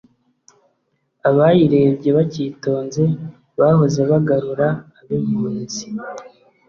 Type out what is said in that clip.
Abayirebye bacyitonze Bahoze bagarura ab'impunzi